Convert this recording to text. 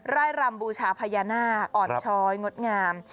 ร่ายรำบูชาพญานาคอ่อนช้อยงดงาม